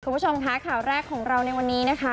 คุณผู้ชมค่ะข่าวแรกของเราในวันนี้นะคะ